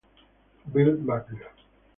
Bill Buckner